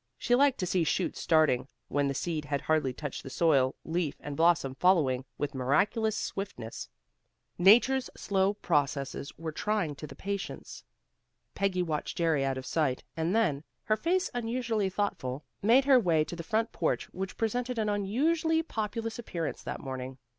She liked to see shoots starting when the seed had hardly touched the soil, leaf and blossom following with miraculous swiftness. Nature's slow processes were trying to the patience. Peggy watched Jerry out of sight, and then, her face unusually thoughtful, made her way to the front porch which presented an unusually populous appearance that morning.